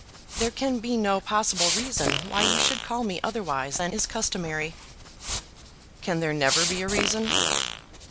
There can be no possible reason why you should call me otherwise than is customary." "Can there never be a reason?"